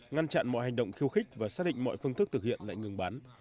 ngăn chặn mọi hành động khiêu khích và xác định mọi phương thức thực hiện lệnh ngừng bắn